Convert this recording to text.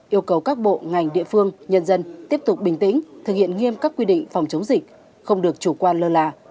yêu cầu các bộ ngành địa phương nhân dân tiếp tục bình tĩnh thực hiện nghiêm các quy định phòng chống dịch không được chủ quan lơ là